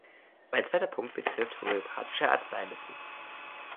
Mein zweiter Punkt betrifft homöopathische Arzneimittel.